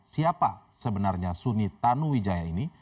siapa sebenarnya suni tanu wijaya ini